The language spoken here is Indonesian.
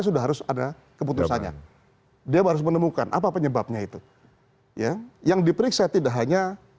sudah harus ada keputusannya dia harus menemukan apa penyebabnya itu ya yang diperiksa tidak hanya